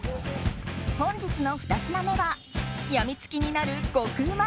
本日の２品目は病みつきになる極うま